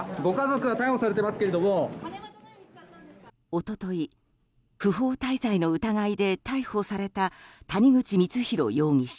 一昨日、不法滞在の疑いで逮捕された谷口光弘容疑者。